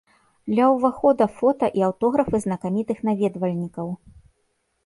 Ля ўвахода фота і аўтографы знакамітых наведвальнікаў.